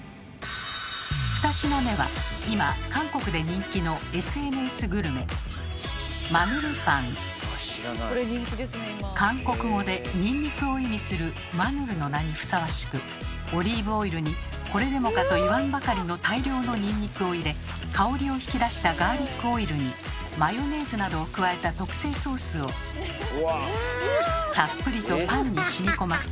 ２品目は今韓国語でニンニクを意味する「マヌル」の名にふさわしくオリーブオイルにこれでもかと言わんばかりの大量のニンニクを入れ香りを引き出したガーリックオイルにマヨネーズなどを加えた特製ソースをたっぷりとパンに染み込ませ。